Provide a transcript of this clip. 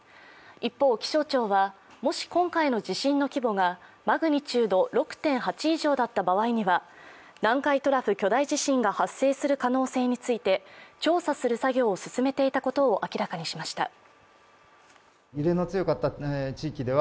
一方、気象庁はもし今回の地震の規模がマグニチュード６．８以上だった場合には、南海トラフ巨大地震が発生する可能性について調査する作業を進めていたことを明らかにしました。